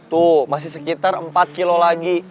tuh masih sekitar empat kilo lagi